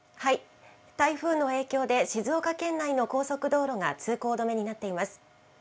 台風の影響で、静岡県内の高速道路が通行止めになっています。